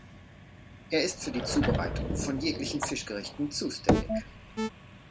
Er ist für die Zubereitung von jeglichen Fischgerichten zuständig.